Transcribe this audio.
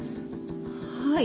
はい。